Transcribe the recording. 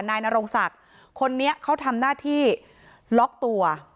นายนรงศักดิ์คนนี้เขาทำหน้าที่ล็อกตัว